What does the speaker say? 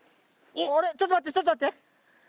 ちょっと待ってちょっと待って。